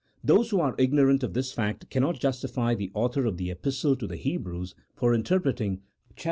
Those who are ignorant of this fact cannot justify the .author of the Epistle to the Hebrews for interpreting (chap.